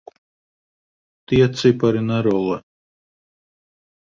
Tie cipari nerullē.